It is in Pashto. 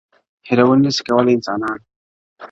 هېرول نه سي کولای انسانان-